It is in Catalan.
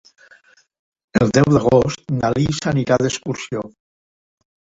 El deu d'agost na Lis anirà d'excursió.